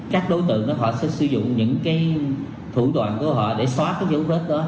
các đối tượng họ sẽ sử dụng những cái thủ đoạn của họ để xóa cái dấu vết đó